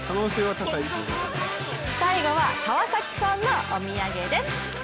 最後は川崎さんのお土産です。